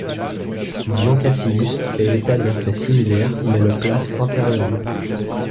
Dion Cassius fait état d'un fait similaire mais le place antérieurement.